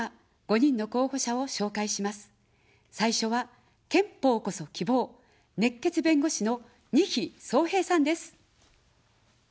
最初は、憲法こそ希望、熱血弁護士の、にひそうへいさんです。